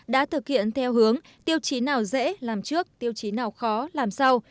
đã thực hiện theo hướng tiêu chí nào dễ làm trước tiêu chí nào khó làm sau